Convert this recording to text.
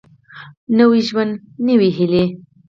نوی ژوند نوي هېلې